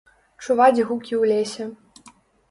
Чуваць гукі ў лесе.